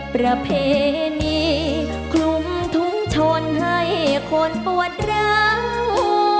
ประเพณีคลุมถุงชนให้คนปวดร้าว